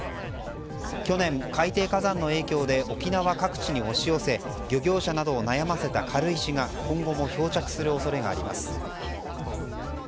去年、海底火山の影響で沖縄各地に押し寄せ漁業者などを悩ませた軽石が今後も漂着する恐れがあります。